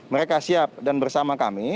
mereka siap dan bersama kami